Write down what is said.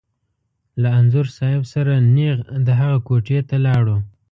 له انځور صاحب سره نېغ د هغه کوټې ته لاړو.